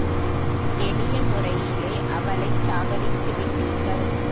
எளிய முறையிலே அவளைச் சாகடித்து விட்டீர்கள்.